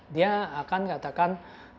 dia akan katakan